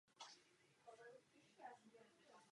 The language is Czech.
Tím se Napoleon dopustil velkého omylu.